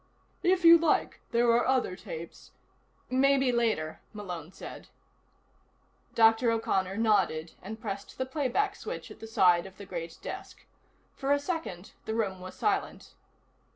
"If you like, there are other tapes " "Maybe later," Malone said. Dr. O'Connor nodded and pressed the playback switch at the side of the great desk. For a second the room was silent.